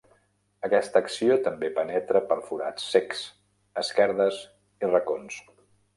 Aquesta acció també penetra per forats cecs, esquerdes i racons.